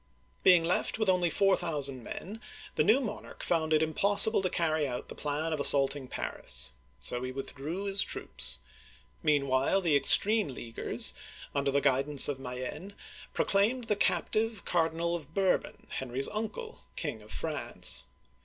'* Being left with only four thousand men, the new mon arch found it impossible to carry out the plan of assault ing Paris, so he withdrew with his troops. Meanwhile the extreme Leaguers, under the guidance of Mayenne, pro claimed the captive Cardinal of Bourbon, Henry's uncle, King of France.